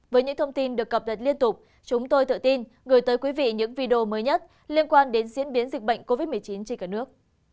với những thông tin được cập nhật liên tục chúng tôi tự tin gửi tới quý vị những video mới nhất liên quan đến diễn biến dịch bệnh covid một mươi chín trên cả nước